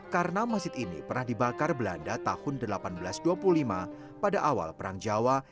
karena masjid ini pernah dibakar belanda tahun seribu delapan ratus dua puluh lima pada awal perang jawa